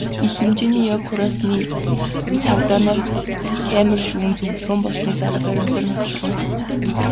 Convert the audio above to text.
Их хэмжээний хог хураасныг цагдаа нар камер шүүн, зөвлөгөөн болсны дараа баримтаар нотолсон.